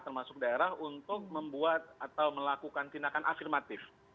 termasuk daerah untuk membuat atau melakukan tindakan afirmatif